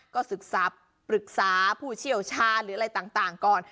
ก็ศึกษาปรึกษาผู้เชี่ยวชาญหรืออะไรต่างก่อน